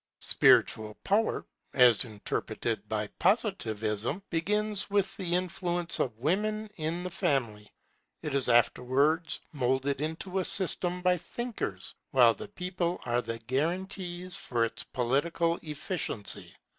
Spiritual power, as interpreted by Positivism, begins with the influence of women in the family; it is afterwards moulded into a system by thinkers, while the people are the guarantees for its political efficiency.